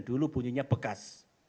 dulu bunyinya bekas